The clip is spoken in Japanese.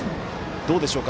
どうでしょうか。